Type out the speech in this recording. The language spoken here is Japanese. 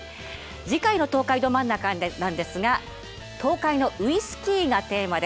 次回の「東海ドまんなか！」なんですが東海のウイスキーがテーマです。